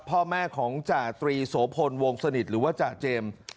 พ่อแม่ของจาตรีโสพลวงสนิทหรือว่าจ่าเจมส์